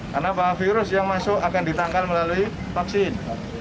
karena virus yang masuk akan ditangkal melalui vaksin